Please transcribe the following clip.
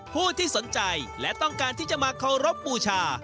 ผู้ที่สนใจและต้องการที่จะมาเคารพบูชา